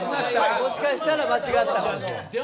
もしかしたら間違ったかも。